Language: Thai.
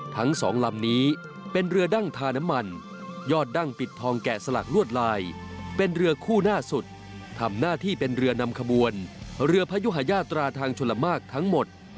ทั้งสองลำนี้เป็นเรือดั้งทาน้ำมันยอดดั้งปิดทองแกะสลักลวดลายเป็นเรือคู่หน้าสุดทำหน้าที่เป็นเรือนำขบวนเรือพยุหาญาตราทางชลมากทั้งหมด